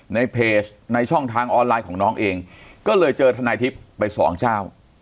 ในเพจในช่องทางออนไลน์ของน้องเองก็เลยเจอทนายทิพย์ไปสองเจ้า